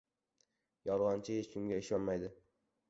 • Yolg‘onchi hech kimga ishonmaydi.